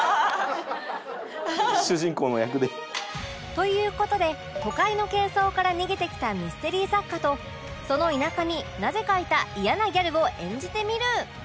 という事で都会の喧騒から逃げてきたミステリー作家とその田舎になぜかいた嫌なギャルを演じてみる